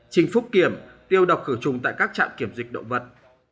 trình phúc kiểm tiêu độc khử trùng tại các trạm kiểm dịch động vật